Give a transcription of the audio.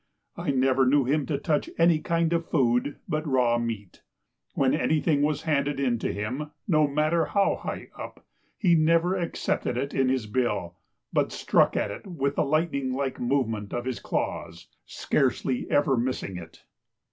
I never knew him to touch any kind of food but raw meat. When anything was handed in to him, no matter how high up, he never accepted it in his bill, but struck at it with a lightning like movement of his claws, scarcely ever missing it.